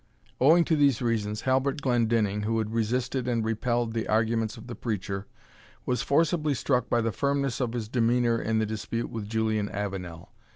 Owing to these reasons, Halbert Glendinning, who had resisted and repelled the arguments of the preacher, was forcibly struck by the firmness of his demeanour in the dispute with Julian Avenel.